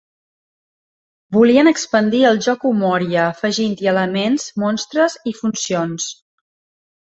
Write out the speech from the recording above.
Volien expandir el joc "Umoria" afegint-hi elements, monstres i funcions.